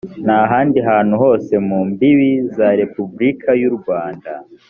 n’ahandi hantu hose mu mbibi za repubulika y’u rwanda